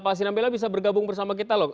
pak sinambela bisa bergabung bersama kita loh